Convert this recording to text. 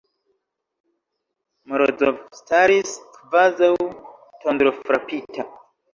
Morozov staris kvazaŭ tondrofrapita.